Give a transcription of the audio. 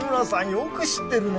よく知ってるねぇ。